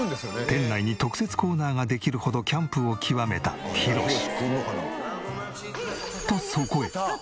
店内に特設コーナーができるほどキャンプを極めたヒロシ。